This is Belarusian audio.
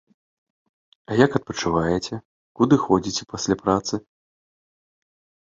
А як адпачываеце, куды ходзіце пасля працы?